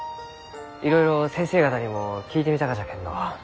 いろいろ先生方にも聞いてみたがじゃけんど